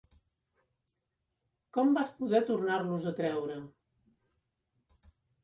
Com vas poder tornar-los a treure?